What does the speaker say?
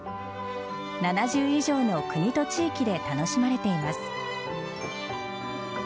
７０以上の国と地域で楽しまれています。